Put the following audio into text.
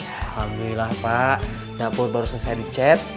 alhamdulillah pak dapur baru selesai dicet